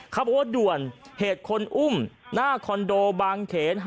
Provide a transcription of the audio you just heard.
เขาบอกว่าด่วนเหตุคนอุ้มหน้าคอนโดบางเขน